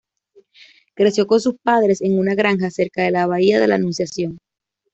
Creció con sus padres en una granja cerca de la Bahía de la Anunciación.